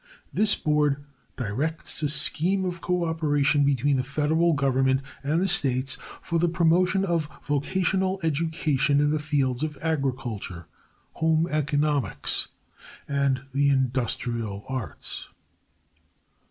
This Board directs a scheme of cooperation between the Federal Government and the states for the promotion of vocational education in the fields of agriculture, home economics and the industrial arts.